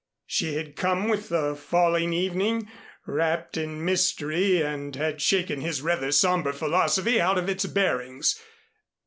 She had come with the falling evening, wrapped in mystery and had shaken his rather somber philosophy out of its bearings.